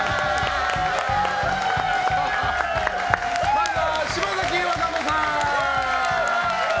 まずは島崎和歌子さん！